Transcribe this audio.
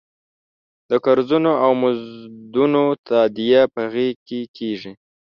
د قرضونو او مزدونو تادیه په هغې کېږي.